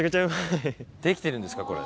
できてるんですか？